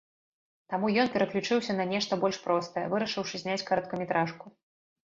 Таму ён пераключыўся на нешта больш простае, вырашыўшы зняць кароткаметражку.